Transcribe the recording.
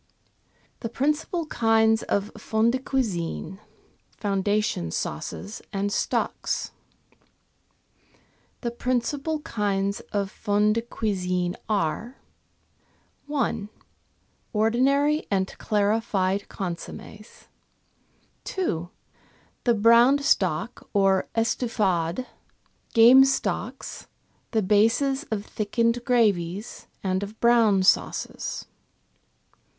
The Principal Kinds of Fonds de Cuisine (Foundation Sauces and Stocks) The principal kinds of fonds de cuisine are :■— 1. Ordinary and clarified consommes. 2. The brown stock or " estouffade," game stocks, the bases of thickened gravies and of brown sauces.